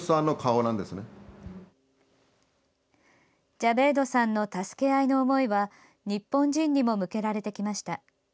ジャベイドさんの助け合いの思いは日本人にも向けられてきました。